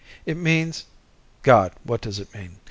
It means God, what does it mean?